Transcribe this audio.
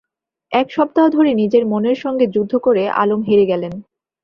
এক সপ্তাহ ধরে নিজের মনের সঙ্গে যুদ্ধ করে আলম হেরে গেলেন।